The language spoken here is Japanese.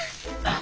あ。